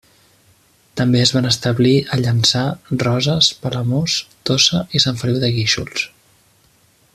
També es van establir a Llançà, Roses, Palamós, Tossa i Sant Feliu de Guíxols.